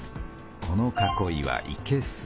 この囲いはいけす。